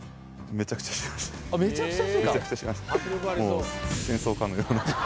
めちゃくちゃしてた？